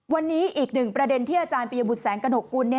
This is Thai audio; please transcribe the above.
วันนี้อีกหนึ่งประเด็นที่อาจารย์ปียบุตรแสงกระหกกุล